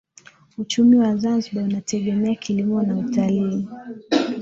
Uchumi wa Zanzibar unategemea kilimo na utalii